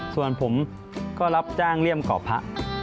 ส่วนผมก็รับจ้างเลี่ยมเกาะพระ